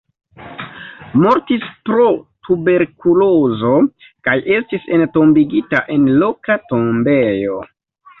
Mortis pro tuberkulozo kaj estis entombigita en loka tombejo.